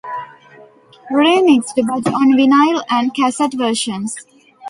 Remixed but on vinyl and cassette versions.